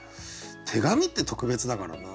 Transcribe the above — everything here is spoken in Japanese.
手紙って特別だからな。